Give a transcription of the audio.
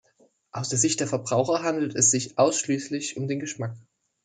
Aus der Sicht der Verbraucher handelt es sich ausschließlich um den Geschmack.